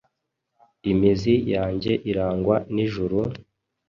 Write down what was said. Imizi yanjye irangwa n'ijuru,